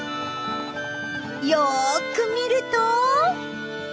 よく見ると。